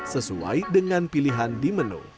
sesuai dengan pilihan di menu